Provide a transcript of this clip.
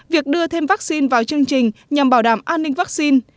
việc đưa thêm vaccine vào chương trình nhằm bảo đảm an ninh vaccine